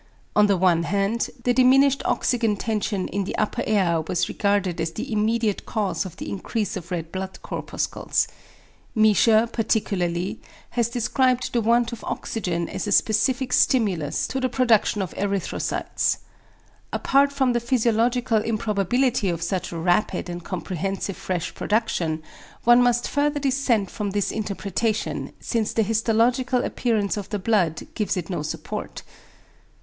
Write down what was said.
On the one hand, the diminished oxygen tension in the upper air was regarded as the immediate cause of the increase of red blood corpuscles. Miescher, particularly, has described the want of oxygen as a specific stimulus to the production of erythrocytes. Apart from the physiological improbability of such a rapid and comprehensive fresh production, one must further dissent from this interpretation, since the histological appearance of the blood gives it no support.